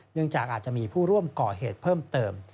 จากอาจจะมีผู้ร่วมก่อเหตุเพิ่มเติม